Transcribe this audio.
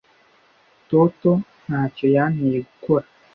Toto ntacyo yanteye gukora.